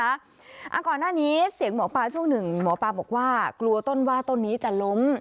ก่อนหน้านี้เสียงหมอปลาช่วงหนึ่งหมอปลาบอกว่ากลัวต้นว่าต้นนี้จะล้ม